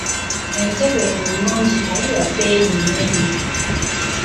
Entebe eno nnungi naye ya bbeeyi nnene.